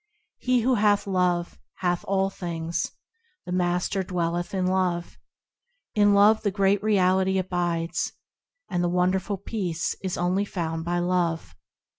He who hath Love hath all things, The Master dwelleth in Love, In Love the Great Reality abides, And the wonderful Peace is only found by Love.